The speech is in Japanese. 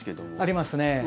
ありますね。